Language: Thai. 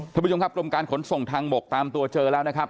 ท่านผู้ชมครับกรมการขนส่งทางบกตามตัวเจอแล้วนะครับ